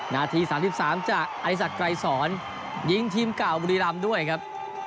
นาที๓๓จากอธิสัตว์ไกลศรยิงทีมเก่าบริรัมณ์ด้วยครับ